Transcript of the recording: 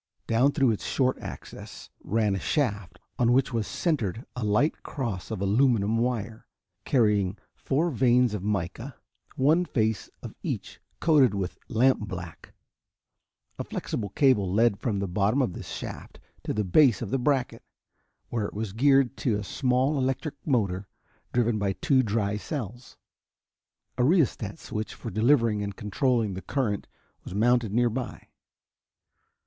Down through its short axis ran a shaft on which was centered a light cross of aluminum wire, carrying four vanes of mica, one face of each coated with lampblack. A flexible cable led from the bottom of this shaft to the base of the bracket, where it was geared to a small electric motor driven by two dry cells. A rheostat switch for delivering and controlling the current was mounted nearby.